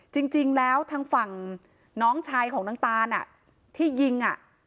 จริงจริงแล้วทางฝั่งน้องชายของนางตาลอ่ะที่ยิงอ่ะ